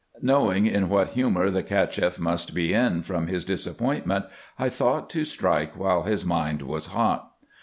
Knowing in what humour the Cacheff must be in from his disappointment, I thought to strike while his mind was hot.